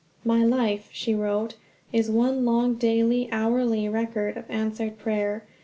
"My life," she wrote, "is one long daily, hourly record of answered prayer.